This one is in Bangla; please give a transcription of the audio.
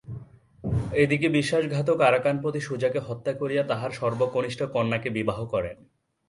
এ দিকে বিশ্বাসঘাতক আরাকান-পতি সুজাকে হত্যা করিয়া তাঁহার সর্বকনিষ্ঠ কন্যাকে বিবাহ করেন।